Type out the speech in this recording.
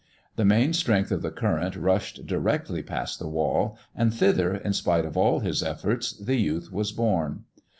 The main strength of the current rushed directly past the wall, and thither, in spite of all his efforts, the youth was borne.